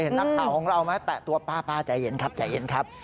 เห็นหนักเป่าของเราไหมแตะตัวป้าใจเย็นครับ